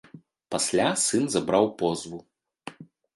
Пасля сын забраў позву.